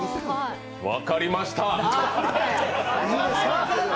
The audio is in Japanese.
分かりました。